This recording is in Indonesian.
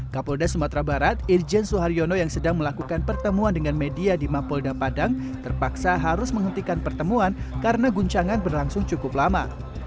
kapolda sumatera barat irjen suharyono yang sedang melakukan pertemuan dengan media di mapolda padang terpaksa harus menghentikan pertemuan karena guncangan berlangsung cukup lama